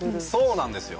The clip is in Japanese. そうなんですよ。